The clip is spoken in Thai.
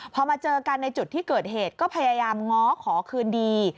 พอมาเจอกันในจุดที่เกิดเหตุก็พยายามง้อขอคืนดี